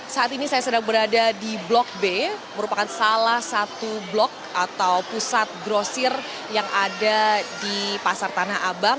saat ini saya sedang berada di blok b merupakan salah satu blok atau pusat grosir yang ada di pasar tanah abang